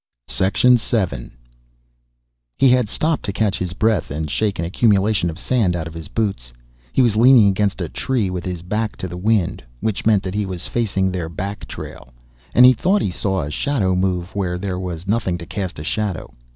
7. He had stopped to catch his breath and shake an accumulation of sand out of his boots. He was leaning against a tree with his back to the wind, which meant that he was facing their back trail, and he thought he saw a shadow move where there was nothing to cast a shadow.